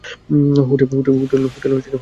Hotel খালি করো!